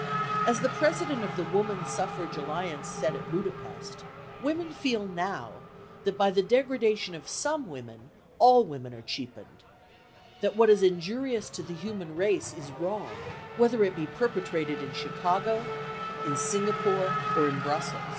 As the president of the Woman Suffrage Alliance said at Budapest, women feel now that by the degradation of some women, all women are cheapened; that what is injurious to the human race is wrong, whether it be perpetrated in Chicago, in Singapore or in Brussels.